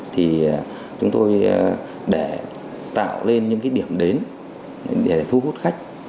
thì chúng tôi để tạo lên những cái điểm đến để thu hút khách